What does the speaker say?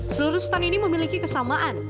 seluruh stand ini memiliki kesamaan